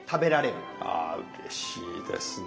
あうれしいですね。